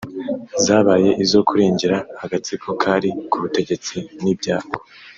zabaye izo kurengera agatsiko kari ku butegetsi n’ibyako